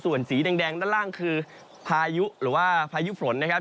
ส่วนสีแดงด้านล่างคือพายุหรือว่าพายุฝนนะครับ